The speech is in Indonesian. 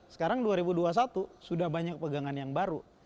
sekarang dua ribu dua puluh satu sudah banyak pegangan yang baru